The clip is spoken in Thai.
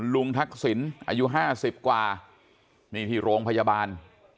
ลุงทักษิณอายุห้าสิบกว่านี่ที่โรงพยาบาล